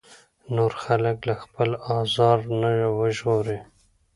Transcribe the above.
نور خلک له خپل ازار نه وژغوري.